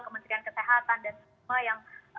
kementerian kesehatan dan semua yang